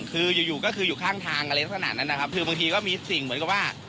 คืออยู่อยู่ก็คืออยู่ข้างทางอะไรขนาดนั้นนะครับคือบางทีก็มีสิ่งเหมือนกับว่า